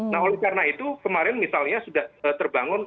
nah oleh karena itu kemarin misalnya sudah terbangun